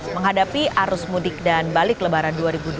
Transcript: menghadapi arus mudik dan balik lebaran dua ribu dua puluh